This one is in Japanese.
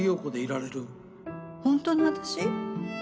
本当の私？